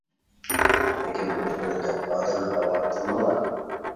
لېكىن ئۇنى بۇنى دەپ ئادەمنى ئاۋارە قىلماڭلار.